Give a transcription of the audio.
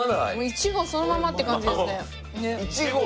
いちごそのままって感じですね。